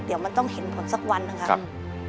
เดี๋ยวมันต้องเห็นผลสักวันหนึ่งครับ